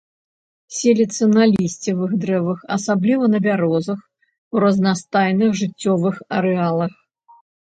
Селіцца на лісцевых дрэвах, асабліва на бярозах, ў разнастайных жыццёвых арэалах.